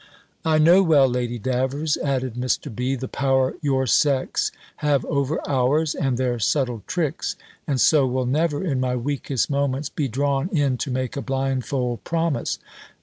"I know well, Lady Davers," added Mr. B., "the power your sex have over ours, and their subtle tricks: and so will never, in my weakest moments, be drawn in to make a blindfold promise.